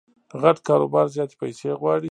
غټ کاروبار زیاتي پیسې غواړي.